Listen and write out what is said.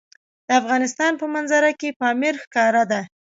د افغانستان په منظره کې پامیر ښکاره ده.